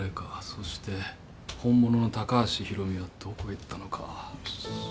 そして本物の高橋博美はどこへ行ったのか。